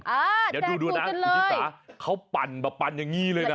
เออแจกสูตรกันเลยสิฟะเขาปั่นแบบปั่นอย่างนี้เลยนะ